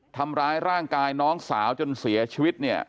ทำร้ายร่างกายน้องสาวจนเสียชีวิตเนี่ย